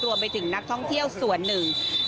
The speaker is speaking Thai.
รวมไปถึงนักท่องเที่ยวส่วนหนึ่ง